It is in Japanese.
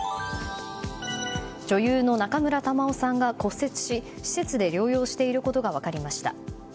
女優の中村玉緒さんが骨折し施設で療養していることが分かりました。